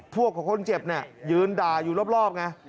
พวกของคนเจ็บเนี่ยยืนด่าอยู่รอบไง